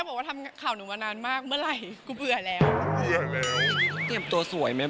ก็ถ้ามีน่าจะใกล้แล้วนะ